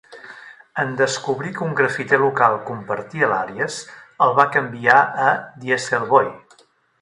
En descobrir que un grafiter local compartia l'àlies, el va canviar a Dieselboy.